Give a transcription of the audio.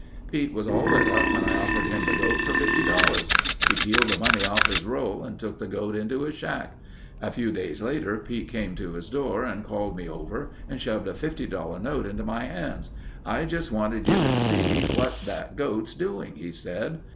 "Pete was all lit up when I offered him the goat for fifty dollars. He peeled the money off his roll and took the goat into his shack. A few days later Pete came to his door and called me over and shoved a fifty dollar note into my hands. 'I just wanted you to see what that goat's doing,' he said.